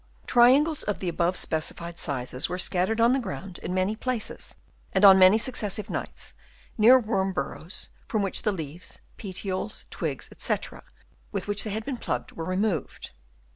Triangles of the above specified sizes were scattered on the ground in many places and on many successive nights near worm bur rows, from which the leaves, petioles, twigs, &c, with which they had been plugged, were removed.